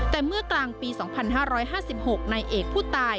แต่เมื่อกลางปี๒๕๕๖นายเอกผู้ตาย